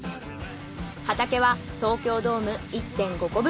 畑は東京ドーム１．５個分。